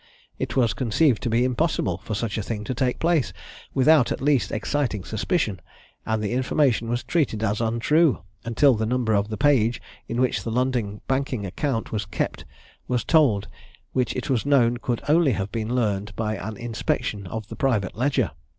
It was conceived to be impossible for such a thing to take place without, at least, exciting suspicion; and the information was treated as untrue, until the number of the page in which the London banking account was kept was told, which it was known could only have been learned by an inspection of the private ledger.